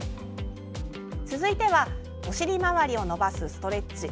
続いてはお尻周りを伸ばすストレッチ。